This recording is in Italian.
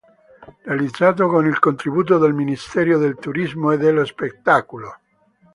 Realizzato con il contributo del Ministero del Turismo e dello Spettacolo.